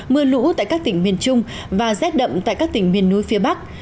mưa lũ tại các tỉnh miền trung và rét đậm tại các tỉnh miền núi phía bắc